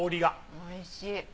おいしい。